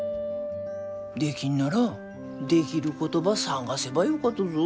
できんならできることば探せばよかとぞ。